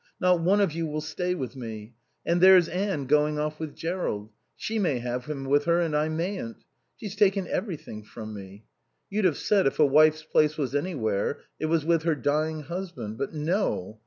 Not one of you will stay with me. And there's Anne going off with Jerrold. She may have him with her and I mayn't. She's taken everything from me. You'd have said if a wife's place was anywhere it was with her dying husband. But no.